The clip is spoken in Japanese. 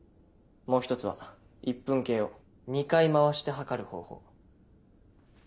もう１つは１分計を２回回して計る方法。